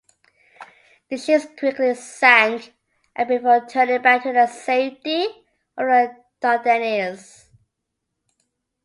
The ships quickly sank and before turning back to the safety of the Dardanelles.